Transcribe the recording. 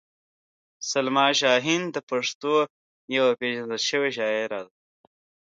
سلما شاهین د پښتنو یوه پېژندل شوې شاعره ده.